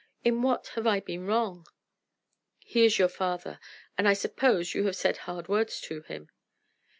In what have I been wrong?" "He is your father, and I suppose you have said hard words to him."